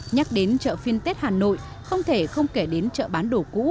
nhắc đến chợ phiên tết hà nội không thể không kể đến chợ bán đồ cũ